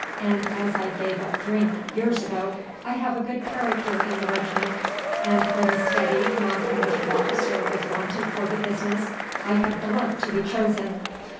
And as I gave up drink years ago I have a good character in the regiment, and when a steady non commissioned officer was wanted for this business I had the luck to be chosen.